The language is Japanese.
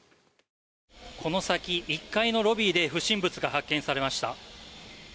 この先１階のロビーで不審物が発見されました。